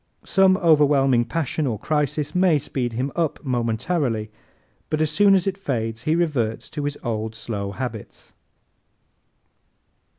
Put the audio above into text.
Some overwhelming passion or crisis may speed him up momentarily but as soon as it fades he reverts to his old slow habits.